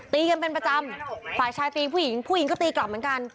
ตีกันเป็นประจำฝ่ายชายตีผู้หญิงผู้หญิงก็ตีกลับเหมือนกัน